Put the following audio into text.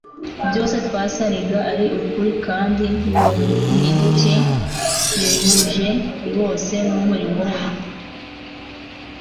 byose twasariga ari ukuri kandi biboncye, bihuje rwose n'umurimo we.